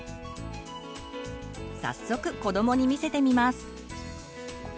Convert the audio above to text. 早速子どもに見せてみます。